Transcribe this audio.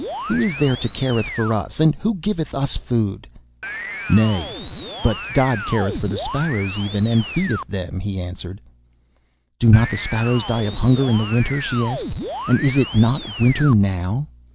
Who is there who careth for us? And who giveth us food?' 'Nay, but God careth for the sparrows even, and feedeth them,' he answered. 'Do not the sparrows die of hunger in the winter?' she asked. 'And is it not winter now?